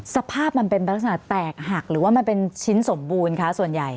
สภาพมันเป็นลักษณะแตกหักหรือว่ามันเป็นชิ้นสมบูรณ์คะส่วนใหญ่